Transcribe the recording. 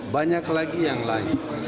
banyak lagi yang lain